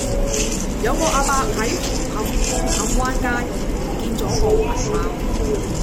有個亞伯喺紅磡紅磡灣街唔見左個銀包